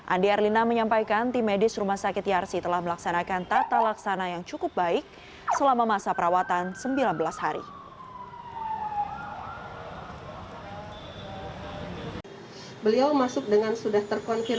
andi erlina menyampaikan tim medis rumah sakit yarsi telah melaksanakan tata laksana yang cukup baik selama masa perawatan sembilan belas hari